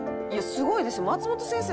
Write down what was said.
すごい」「松本先生